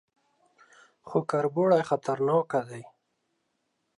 _خو کربوړي خطرناکه دي.